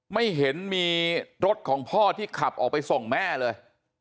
ไม่เห็นมีรถของพ่อที่ขับออกไปส่งแม่เลย